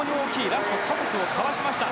ラストでカサスをかわしました。